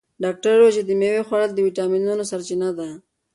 ډاکتر وویل چې د مېوې خوړل د ویټامینونو سرچینه ده.